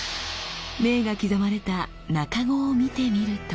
銘が刻まれた茎を見てみると。